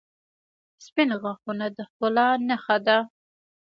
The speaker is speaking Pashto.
• سپین غاښونه د ښکلا نښه ده.